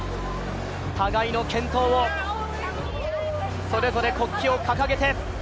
互いの健闘を、それぞれ国旗を掲げて。